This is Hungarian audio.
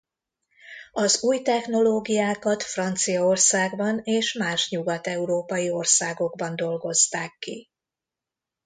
Az új technológiákat Franciaországban és más nyugat-európai országokban dolgozták ki.